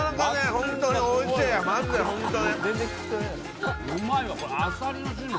本当においしい、マジで！